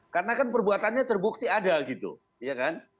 karena kan perbuatannya terbukti ada gitu ya kan